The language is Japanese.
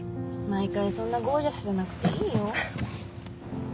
毎回そんなゴージャスじゃなくていいよ。